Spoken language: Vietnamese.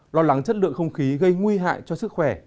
lo lắng chất lượng không khí gây nguy hại cho sức khỏe